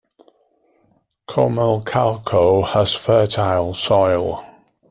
Comalcalco has fertile soil.